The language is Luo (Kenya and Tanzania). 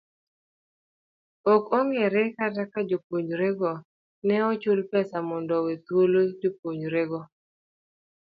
Ok ongere kata ka jopunjorego ne ochul pesa mondo owe thuolo jopuonjrego.